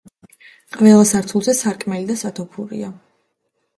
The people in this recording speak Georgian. ყველა სართულზე სარკმელი და სათოფურია.